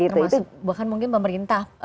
termasuk bahkan mungkin pemerintah